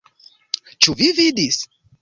Ĉu vi vidis?